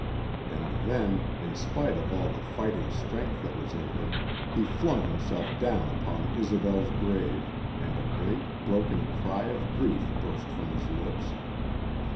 And then, in spite of all the fighting strength that was in him, he flung himself down upon Isobel's grave, and a great, broken cry of grief burst from his lips.